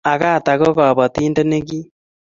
Agatha ko kabotindet nekiim